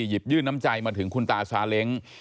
หยิบยื่นน้ำใจมาถึงคุณตาซาเล้ง